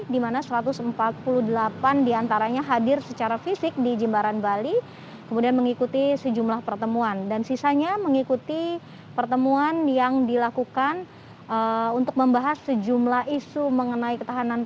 di mana satu ratus empat puluh delapan diantaranya hadir secara fisik di jimbaran bali kemudian mengikuti sejumlah pertemuan dan sisanya mengikuti pertemuan yang dilakukan untuk membahas sejumlah isu mengenai ketahanan